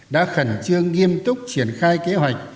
đã khẩn trương nghiêm túc triển khai kế hoạch